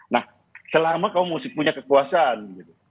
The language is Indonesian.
nah selama kamu masih punya kekuasaan